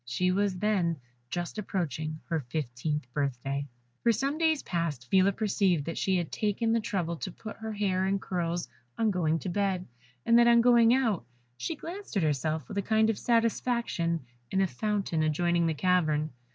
She was then just approaching her fifteenth birthday. For some days past, Phila perceived that she had taken the trouble to put her hair in curls on going to bed, and that on going out she glanced at herself with a kind of satisfaction in a fountain adjoining the cavern.